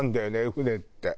船って。